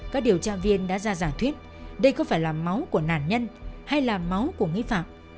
các điều tra viên đã ra giả thuyết đây có phải là máu của nạn nhân hay là máu của nghi phạm